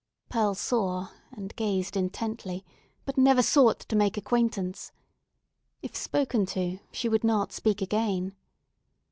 Pearl saw, and gazed intently, but never sought to make acquaintance. If spoken to, she would not speak again.